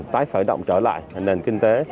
tái khởi động trở lại nền kinh tế